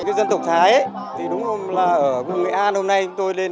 những dân tộc thái đúng không là ở nghệ an hôm nay